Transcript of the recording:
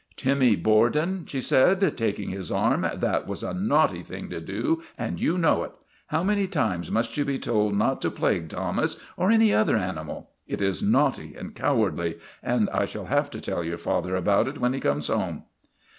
" Timmy Borden," she said, taking his arm, " that was a naughty thing to do, and you know it. How many times must you be told not to plague Thomas or any other animal? It is naughty and cowardly, and I shall have to tell your father about it when he comes home."